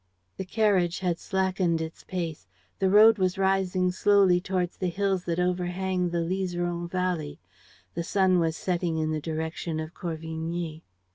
The carriage had slackened its pace. The road was rising slowly towards the hills that overhang the Liseron Valley. The sun was setting in the direction of Corvigny.